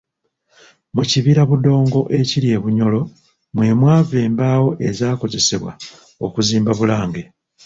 Mu kibira Budongo ekiri e Bunyoro mwe mwava embaawo ezaakozesebwa okuzimba Bulange.